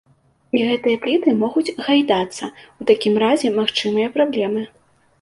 І гэтыя пліты могуць гайдацца, у такім разе магчымыя праблемы.